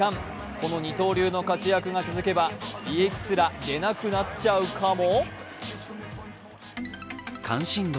この二刀流の活躍が続けば、利益すら出なくなっちゃうかも？